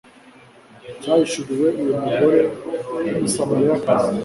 cyahishuriwe uyu mugore w umusamariyakazi